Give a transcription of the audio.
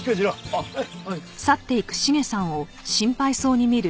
あっはい。